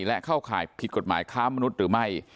และเข้าข่ายผิดกฎหมายค้ามนุษย์หรือไม่